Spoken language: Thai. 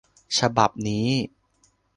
ฉบับนี้